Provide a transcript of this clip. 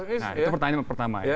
nah itu pertanyaan pertama